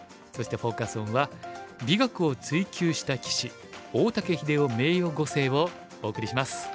そしてフォーカス・オンは「美学を追求した棋士大竹英雄名誉碁聖」をお送りします。